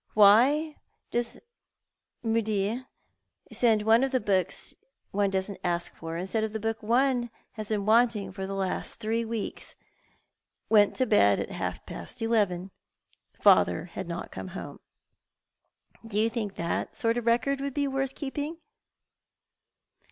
Wliy does Mudie send one the books one doesn't ask for, instead of the book one has been wanting for the last three weeks ? Went to bed at half past eleven. Father had not come home.' Do you think that sort of record would be worth keejjing?